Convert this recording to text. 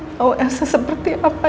kita tau elsa seperti apa